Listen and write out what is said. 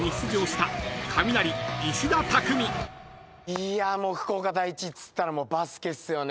いやもう福岡第一っつったらバスケっすよね。